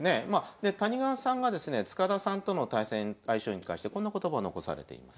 で谷川さんがですね塚田さんとの対戦相性に関してこんな言葉を残されています。